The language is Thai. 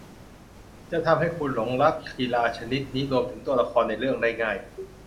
จะทำให้คุณหลงรักกีฬาชนิดนี้รวมถึงตัวละครในเรื่องได้ง่าย